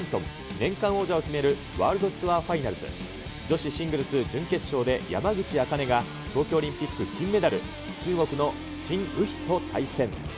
年間王者を決めるワールドツアーファイナルズ、女子シングルス準決勝で山口茜が、東京オリンピック金メダル、中国の陳雨菲と対戦。